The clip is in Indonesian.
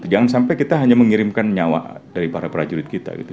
jangan sampai kita hanya mengirimkan nyawa dari para prajurit kita gitu